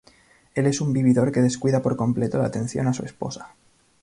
Él es un vividor que descuida por completo la atención a su esposa.